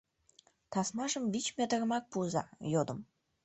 — Тасмажым вич метрымак пуыза! — йодым